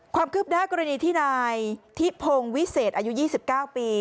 ความคืบหน้ากรณีที่นายทิพงวิเศษอายุ๒๙ปี